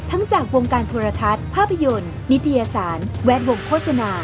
จากวงการโทรทัศน์ภาพยนตร์นนิตยสารแวดวงโฆษณา